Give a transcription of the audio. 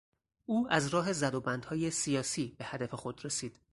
او از راه زد و بندهای سیاسی به هدف خود رسید.